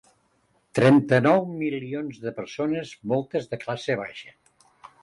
Trenta-nou milions de persones, moltes de classe baixa.